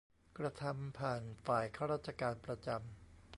กระทำผ่านฝ่ายข้าราชการประจำ